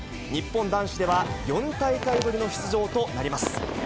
日本男子では、４大会ぶりの出場となります。